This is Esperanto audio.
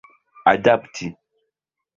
adapti